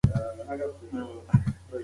د وارداتو کیفیت شکمن دی.